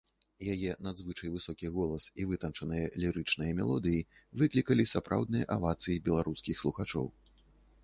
Яе надзвычай высокі голас і вытанчаныя лірычныя мелодыі выклікалі сапраўдныя авацыі беларускіх слухачоў.